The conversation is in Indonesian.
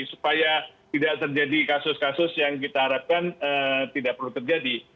supaya tidak terjadi kasus kasus yang kita harapkan tidak perlu terjadi